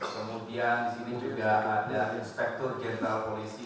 kemudian di sini juga ada inspektur jenderal polisi